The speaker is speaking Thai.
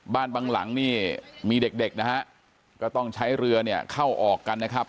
บางหลังนี่มีเด็กเด็กนะฮะก็ต้องใช้เรือเนี่ยเข้าออกกันนะครับ